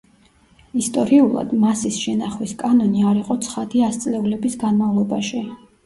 ისტორიულად, მასის შენახვის კანონი არ იყო ცხადი ასწლეულების განმავლობაში.